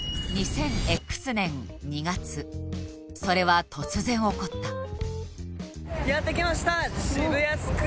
それは突然起こった何？